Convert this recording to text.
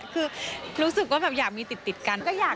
คือรู้สึกว่าแบบอยากมีติดกัน